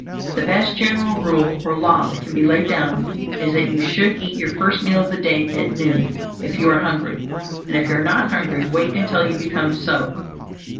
The best general rule or law that can be laid down is that you should eat your first meal of the day at noon, if you are hungry; and if you are not hungry, wait until you become so.